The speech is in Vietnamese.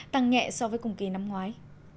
tăng nhẹ so với cùng kỳ năm ngoái